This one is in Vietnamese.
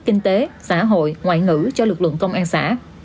kinh tế xã hội ngoại ngữ cho lực lượng công an xã